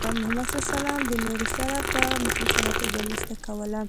محمد صلى الله عليه وسلم د نورو سره په مخلصانه توګه مرسته کوله.